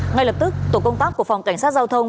ngay lập tức tổ công tác của phòng cảnh sát giao thông